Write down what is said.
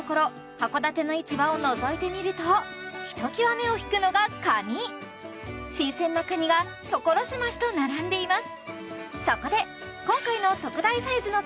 函館の市場をのぞいてみるとひときわ目を引くのがカニ新鮮なカニが所狭しと並んでいます